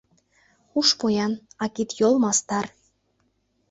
Уш поян, а кид-йол мастар.